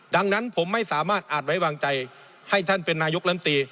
ดังนั้นผมไม่สามารถอาจไว้วางใจให้ท่านเป็นนายกลำตี